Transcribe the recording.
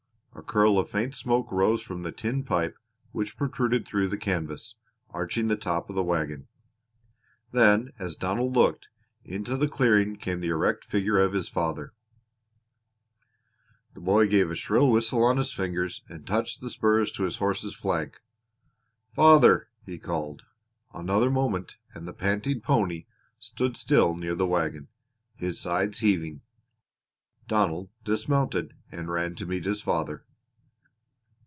A curl of faint smoke rose from the tin pipe which protruded through the canvas, arching the top of the wagon. Then as Donald looked, into the clearing came the erect figure of his father. [Illustration: THE PANTING PONY STOOD STILL] The boy gave a shrill whistle on his fingers and touched the spurs to his horse's flank. "Father!" he called. Another moment and the panting pony stood still near the wagon, his sides heaving. Donald dismounted and ran to meet his father.